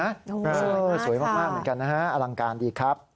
โอ้สวยมากค่ะสวยมากเหมือนกันนะฮะอลังการดีครับ